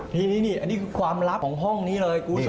นี่นี่คือความลับของห้องนี้เลย